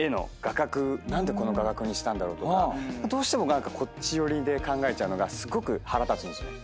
何でこの画角にしたんだろうとかどうしてもこっち寄りで考えちゃうのがすごく腹立つんですね。